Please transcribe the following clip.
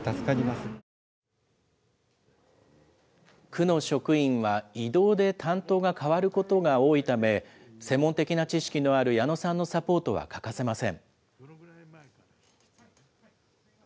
区の職員は、異動で担当が変わることが多いため、専門的な知識のある矢野さんのサポートは欠かせません。